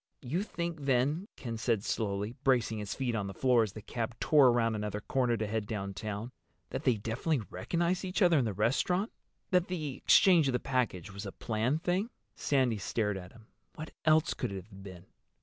"You think then," Ken said slowly, bracing his feet on the floor as the cab tore around another corner to head downtown, "that they definitely recognized each other in the restaurant—that the exchange of the package was a planned thing?" Sandy stared at him. "What else could it have been?